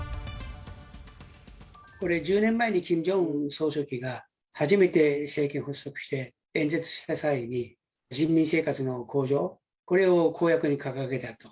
これ１０年前にキム・ジョンウン総書記が、初めて政権発足して、演説した際に、人民生活の向上、これを公約に掲げたと。